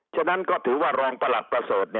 ฉะนั้นก็ถือว่ารองประหลัดประเสริฐ